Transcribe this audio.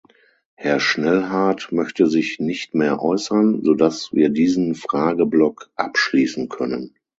Herr Schnellhardt möchte sich nicht mehr äußern, so dass wir diesen Frageblock abschließen können.